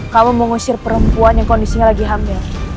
kamu mengusir perempuan yang kondisinya lagi hamil